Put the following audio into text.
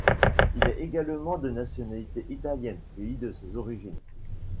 Il est également de nationalité italienne, pays de ses origines.